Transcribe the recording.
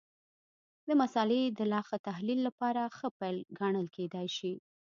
د مسألې د لا ښه تحلیل لپاره ښه پیل ګڼل کېدای شي.